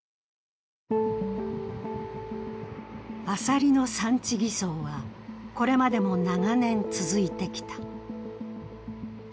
アサリの産地偽装はこれまでも長年続いてきた。